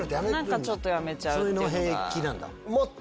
何かちょっとやめちゃう。